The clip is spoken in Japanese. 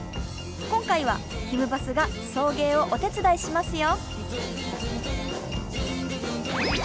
今回はひむバスが送迎をお手伝いしますよ。